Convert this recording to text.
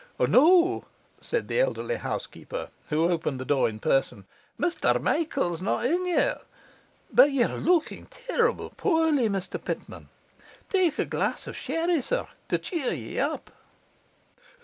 'No,' said the elderly housekeeper, who opened the door in person, 'Mr Michael's not in yet. But ye're looking terribly poorly, Mr Pitman. Take a glass of sherry, sir, to cheer ye up.